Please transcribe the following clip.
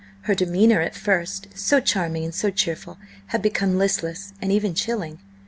Her demeanour, at first so charming and so cheerful, had become listless, and even chilling.